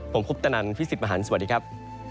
ผมพุทธนันทร์ฟิศิษฐ์มหารสวัสดีครับ